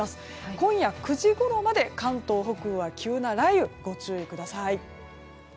今夜９時ごろまで関東北部は急な雷雨にご注意ください。